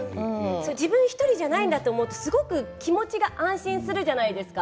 自分１人じゃないと思うと気持ちが安心するじゃないですか。